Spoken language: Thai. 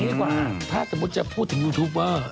เอานี้ดีกว่าถ้าสมมติจะพูดถึงยูทูปเปอร์ค่ะ